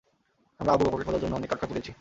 আমরা আবু বকরকে খোঁজার জন্য অনেক কাঠখড় পুড়িয়েছি।